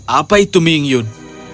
apa itu ming yun